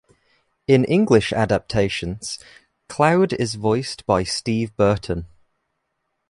In English adaptations, Cloud is voiced by Steve Burton.